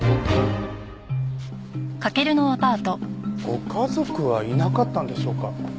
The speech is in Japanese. ご家族はいなかったんでしょうか？